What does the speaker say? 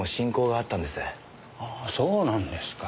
ああそうなんですか。